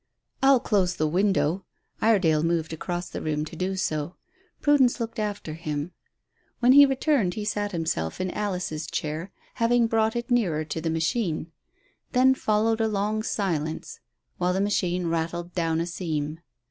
"I'll close the window." Iredale moved across the room to do so. Prudence looked after him. When he returned he sat himself in Alice's chair, having brought it nearer to the machine. Then followed a long silence while the machine rattled down a seam.